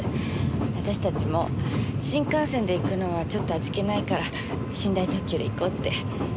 私たちも新幹線で行くのはちょっと味気ないから寝台特急で行こうって。